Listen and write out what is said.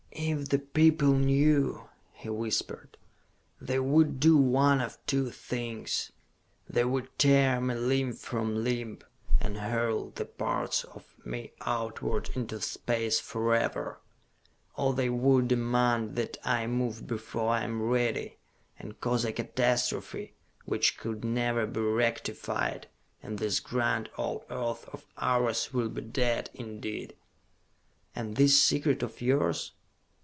"If the people knew," he whispered, "they would do one of two things! They would tear me limb from limb, and hurl the parts of me outward into space forever or they would demand that I move before I am ready and cause a catastrophe which could never be rectified; and this grand old Earth of ours would be dead, indeed!" "And this secret of yours?"